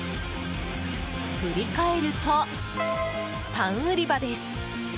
振り返ると、パン売り場です。